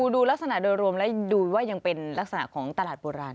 ดูลักษณะโดยรวมแล้วดูว่ายังเป็นลักษณะของตลาดโบราณ